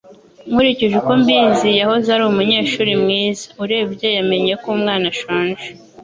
Nkurikije uko mbizi, yahoze ari umunyeshuri mwiza. Urebye, yamenye ko umwana ashonje.